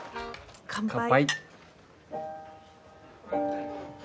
乾杯。